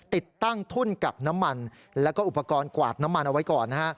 ติดตั้งทุ่นกักน้ำมันแล้วก็อุปกรณ์กวาดน้ำมันเอาไว้ก่อนนะฮะ